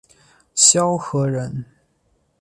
萧何人。